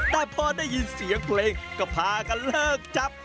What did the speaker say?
แต่พอได้ยินเสียงเพลงก็พากันเลิกจับ